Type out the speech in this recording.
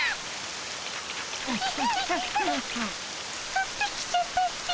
ふってきちゃったっピ。